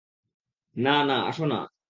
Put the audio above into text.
না, না, আসো না।